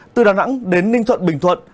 từ đà nẵng đến ninh thuận bình thuận